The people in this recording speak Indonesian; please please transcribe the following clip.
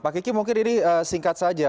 pak kiki mungkin ini singkat saja